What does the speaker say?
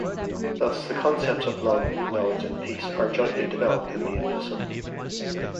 Thus the concepts of love, knowledge and peace are jointly developed in the Epistle.